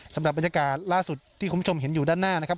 สำหรับบรรยากาศล่าสุดที่คุณผู้ชมเห็นอยู่ด้านหน้านะครับ